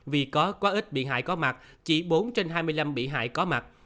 vì có quá ít bị hại có mặt chỉ bốn trên hai mươi năm bị hại có mặt